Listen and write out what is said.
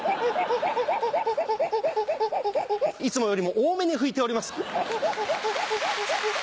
いつもよりも多めに拭いております。